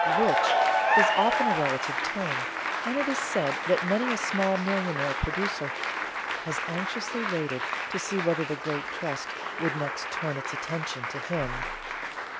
"Rich" is often a relative term, and it is said that many a small millionaire producer has anxiously waited to see whether the great trust would next turn its attention to him.